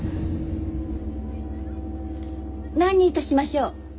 何にいたしましょう？